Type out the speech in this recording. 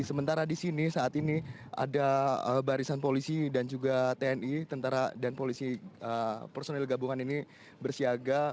sementara di sini saat ini ada barisan polisi dan juga tni tentara dan polisi personil gabungan ini bersiaga